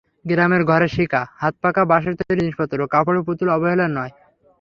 গ্রামের ঘরে ঘরে শিকা, হাতপাখা, বঁাশের তৈরি জিনিসপত্র, কাপড়ের পুতুলও অবহেলার নয়।